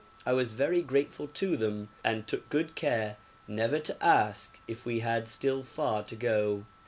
I was very grateful to them, and took good care never to ask if we had still far to go.